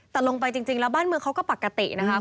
แต่ลงไปจริงแล้วบ้านเมืองเขาก็ปกตินะคะ